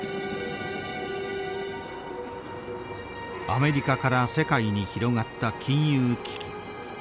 アメリカから世界に広がった金融危機。